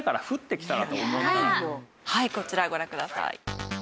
はいこちらご覧ください。